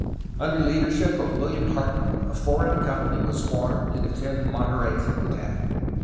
Under the leadership of William Hartnell a foreign company was formed to defend Monterey from attack.